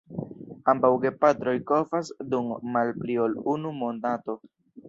Ambaŭ gepatroj kovas dum malpli ol unu monato.